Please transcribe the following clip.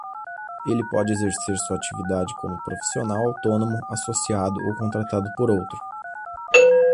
Ele pode exercer sua atividade como profissional autônomo, associado ou contratado por outro.